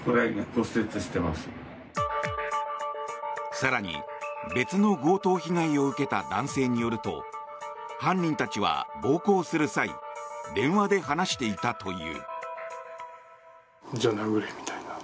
更に、別の強盗被害を受けた男性によると犯人たちは暴行する際電話で話していたという。